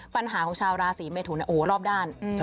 ปัญหาของชาวราศีเมทุนรอบด้าน